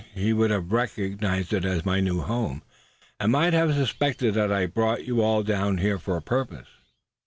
He would have recognized it as my new home, and might have suspected that I brought you all down here for a purpose."